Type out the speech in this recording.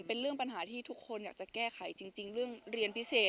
เป็นเรื่องปัญหาที่ทุกคนอยากจะแก้ไขจริงเรื่องเรียนพิเศษ